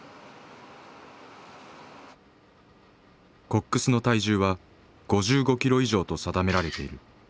コックスの体重は５５キロ以上と定められている。